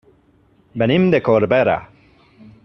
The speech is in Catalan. Venim de Corbera.